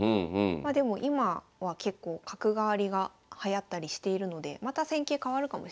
まあでも今は結構角換わりがはやったりしているのでまた戦型変わるかもしれませんね。